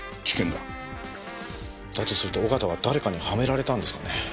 だとすると小形は誰かにはめられたんですかね？